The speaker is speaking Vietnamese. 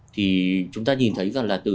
thì chúng ta nhìn thấy rằng là từ